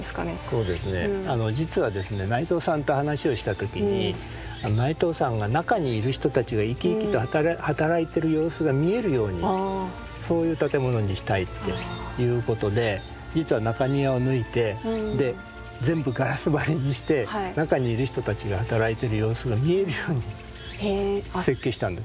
そうですね実はですね内藤さんと話をした時に内藤さんが中にいる人たちが生き生きと働いてる様子が見えるようにそういう建物にしたいっていうことで実は中庭を抜いてで全部ガラス張りにして中にいる人たちが働いてる様子が見えるように設計したんです。